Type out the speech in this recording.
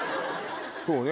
そうね